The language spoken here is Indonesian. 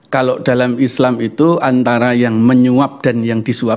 kalau dalam islam itu antara yang menyuap dan yang disuap